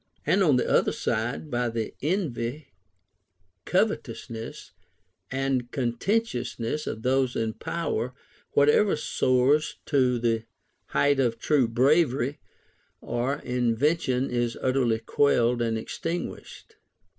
And on the other side, by the envy, covetousness, and contentiousness of those in power, whatever soars to the height of true bravery or invention is utterly quelled and extinguished.